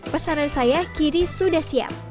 pesanan saya kini sudah siap